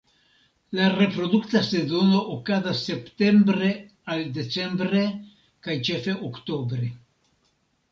La reprodukta sezono okazas septembre al decembre, kaj ĉefe oktobre.